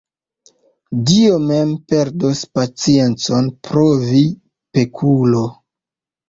Dio mem perdos paciencon pro vi, pekulo!